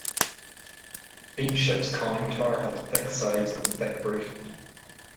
Each ship's conning tower had thick sides and a thick roof.